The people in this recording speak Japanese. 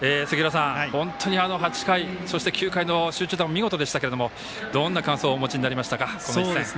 本当に、あの８回９回の集中打も見事でしたけどどんな感想をお持ちになりましたか？